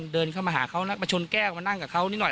เดินเข้ามาหาเขาแล้วมาชนแก้วมานั่งกับเขานิดหน่อย